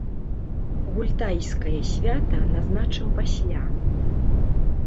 Гультайскае свята назначым пасля.